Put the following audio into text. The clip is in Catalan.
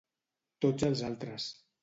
Tots els altres.